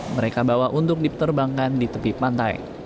mereka bawa untuk diterbangkan di tepi pantai